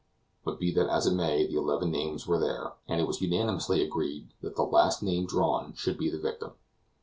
But be that as it may, the eleven names were there, and it was unanimously agreed that the last name drawn should be the victim.